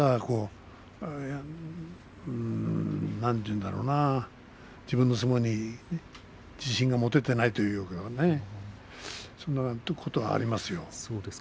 なんて言うんだろうか自分の相撲に自信が持てていないということかそういうことはありますね。